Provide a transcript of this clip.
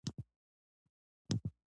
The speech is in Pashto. د دوی د مینې کیسه د کوڅه په څېر تلله.